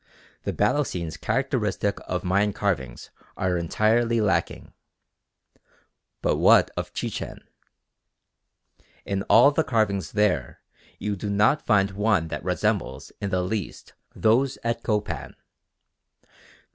The battle scenes characteristic of Mayan carvings are entirely lacking. But what of Chichen? In all the carvings there you do not find one that resembles in the least those at Copan.